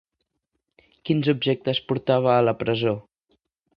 Quins objectes portava a la presó?